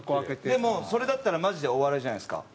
でもそれだったらマジでお笑いじゃないですか。